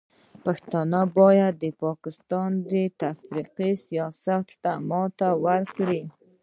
پښتانه باید د پاکستان د تفرقې سیاست ته ماتې ورکړي.